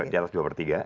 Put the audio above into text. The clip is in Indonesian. diatas dua per tiga